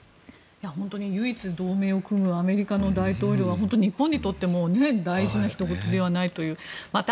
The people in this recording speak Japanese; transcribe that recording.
唯一、同盟を組むアメリカの大統領は本当に日本にとっても大事なひとごとではないという。